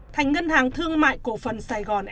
thành ngân hàng thương mại cổ phần sài gòn